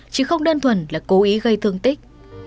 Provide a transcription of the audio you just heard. chứ không đơn thuần là cố ý gây thương tích